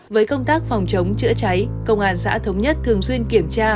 với công tác phòng chống chữa cháy công an xã thống nhất thường xuyên kiểm tra